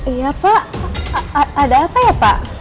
iya pak ada apa ya pak